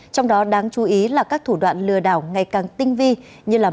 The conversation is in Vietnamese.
trong đó đáng chú ý là các thủ đoạn lừa đảo ngày càng tinh vi như là